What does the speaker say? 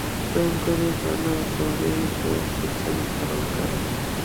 د انګور دانه غوړي د څه لپاره وکاروم؟